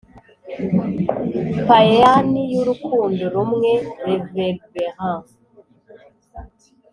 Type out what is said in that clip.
pæan y'urukundo rumwe reverberant.